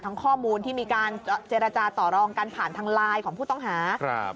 ข้อมูลที่มีการเจรจาต่อรองกันผ่านทางไลน์ของผู้ต้องหาครับ